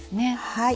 はい。